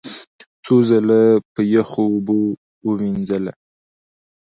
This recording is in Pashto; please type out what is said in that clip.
څو ځله په یخو اوبو ومینځله،